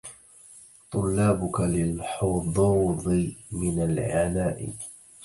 طلابك للحظوظ من العناء